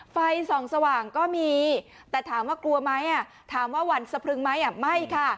ไฟส่องสว่างก็มีแต่ถามว่ากลัวไหมถามว่าหวั่นสะพรึงไหมไม่ค่ะ